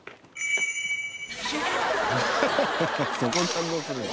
そこに反応するの？